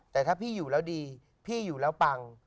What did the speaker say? แต่ถ้าพี่อยู่แล้วดีพี่อยู่แล้วปัง